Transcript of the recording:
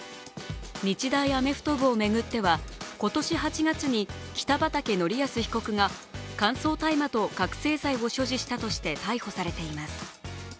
日大アメフト部を巡っては今年８月に北畠成文被告が乾燥大麻と覚醒剤を所持したとして逮捕されています。